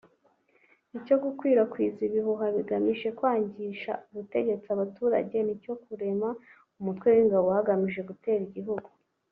icyo gukwirakwiza ibihuha bigamije kwangisha ubutegetsi abaturage n’icyo kurema umutwe w’ingabo hagamijwe gutera igihugu